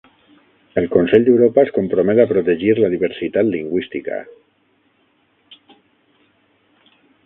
El Consell d'Europa es compromet a protegir la diversitat lingüística.